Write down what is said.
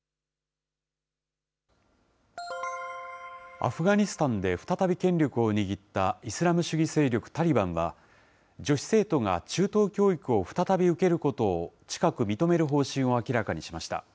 アフガニスタンで再び権力を握ったイスラム主義勢力タリバンは、女子生徒が中等教育を再び受けることを近く認める方針を明らかにしました。